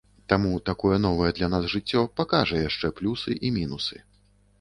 Таму такое новае для нас жыццё пакажа яшчэ плюсы і мінусы.